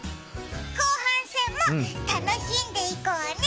後半戦も楽しんでいこうね。